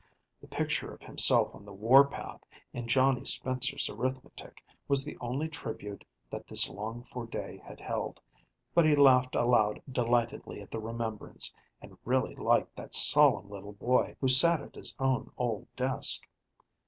The picture of himself on the war path, in Johnny Spencer's arithmetic, was the only tribute that this longed for day had held, but he laughed aloud delightedly at the remembrance and really liked that solemn little boy who sat at his own old desk.